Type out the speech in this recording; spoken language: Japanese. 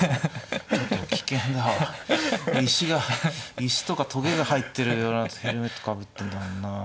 ちょっと危険な石とかとげが入ってるようなヘルメットかぶってんだもんな。